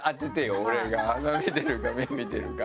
俺が鼻見てるか目見てるか。